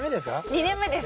２年目です。